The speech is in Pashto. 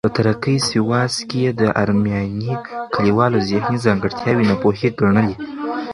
د ترکیې سیواس کې یې د ارمینیايي کلیوالو ذهني ځانګړتیاوې ناپوهې ګڼلې.